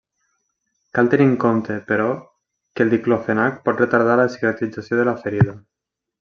Cal tenir en compte, però, que el diclofenac pot retardar la cicatrització de la ferida.